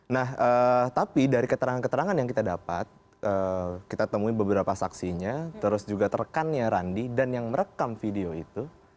nah tapi dari keterangan keterangan yang kita dapat kita temui beberapa saksinya terus juga terkannya randi dan yang merekam video itu